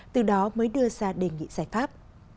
từ đó mới đưa ra đề nghị giải pháp